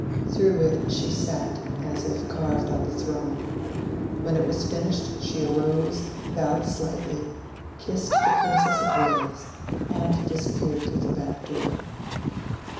Through it she sat as if carved on the throne ; when it was finished she arose, bowed slightly, kissed the Princess of Wales, and disappeared through the back door.